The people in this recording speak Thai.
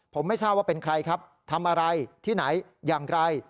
ผมไม่ทราบว่าเป็นใครครับทำอะไรที่ไหนอย่างไร